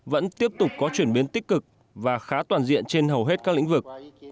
vẫn tiếp tục có chuyển biến tích cực và khá toàn diện trên hầu hết các lĩnh vực